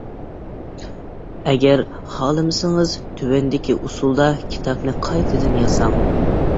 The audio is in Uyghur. ئەگەر خالىمىسىڭىز تۆۋەندىكى ئۇسسۇلدا كىتابنى قايتىدىن ياساڭ.